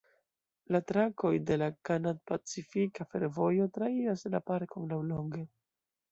La trakoj de la Kanad-Pacifika Fervojo trairas la parkon laŭlonge.